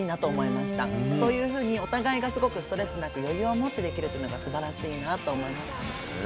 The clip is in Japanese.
そういうふうにお互いがすごくストレスなく余裕を持ってできるっていうのがすばらしいなと思いました。